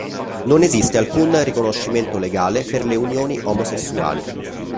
Non esiste alcun riconoscimento legale per le unioni omosessuali.